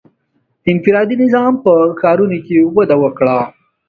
• انفرادي نظام په ښارونو کې وده وکړه.